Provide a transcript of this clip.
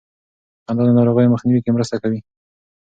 خندا د ناروغیو مخنیوي کې مرسته کوي.